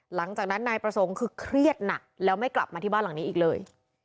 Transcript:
หลังจากนั้นนายประสงค์คือเครียดหนักแล้วไม่กลับมาที่บ้านหลังนี้อีกเลย